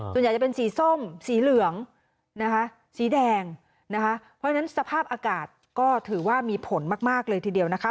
ส่วนใหญ่จะเป็นสีส้มสีเหลืองนะคะสีแดงนะคะเพราะฉะนั้นสภาพอากาศก็ถือว่ามีผลมากเลยทีเดียวนะคะ